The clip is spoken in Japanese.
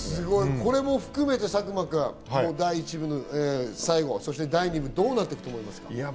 これも含めて佐久間君、第１部の最後、そして第２部、どうなっていくと思います？